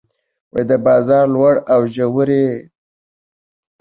د بازار لوړې او ژورې طبیعي دي.